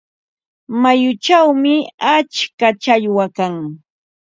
Mayuchawmi atska challwa kan.